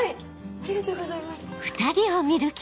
ありがとうございます。